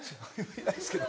いないですけど。